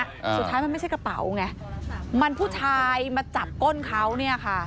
สุดท้ายมันไม่ใช่กระเป๋าไงมันผู้ชายมาจับก้นเขาเนี่ยค่ะ